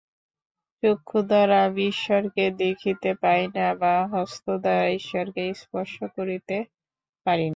চক্ষুদ্বারা আমি ঈশ্বরকে দেখিতে পাই না বা হস্তদ্বারা ঈশ্বরকে স্পর্শ করিতে পারি না।